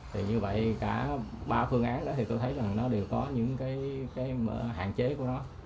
thì như vậy cả ba phương án đó thì tôi thấy là nó đều có những cái hạn chế của nó